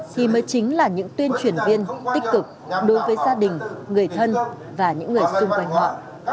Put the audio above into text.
thì mới chính là những tuyên truyền viên tích cực đối với gia đình người thân và những người xung quanh họ